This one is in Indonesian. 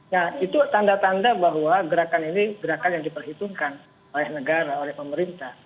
nah itu tanda tanda bahwa gerakan ini gerakan yang diperhitungkan oleh negara oleh pemerintah